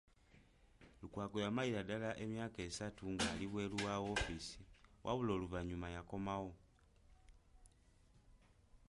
Lukwago yamalira ddala emyaka esatu ng’ali bweru wa woofiisi wabula oluvannyuma yakomawo.